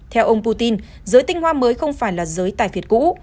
theo ông putin giới tinh hoa mới không phải là giới tài phiệt cũ